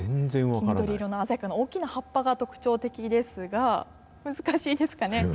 黄緑色の鮮やかな葉っぱが特徴的ですが、難しいですかね。